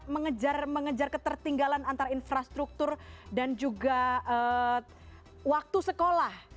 mengejar ketertinggalan antara infrastruktur dan juga waktu sekolah